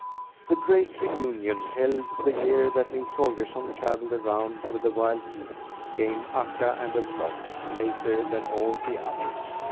To the great reunion held the year that Nils Holgersson travelled around with the wild geese, came Akka and her flock later than all the others.